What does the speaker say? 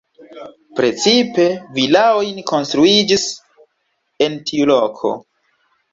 Precipe vilaoj konstruiĝis en tiu loko.